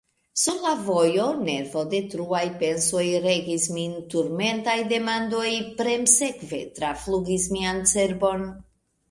Sur la vojo nervodetruaj pensoj regis min; turmentaj demandoj premsekve traflugis mian cerbon.